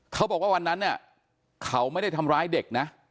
เขาบอกว่าวันนั้นเนี่ยเขาไม่ได้ทำร้ายเด็กนะ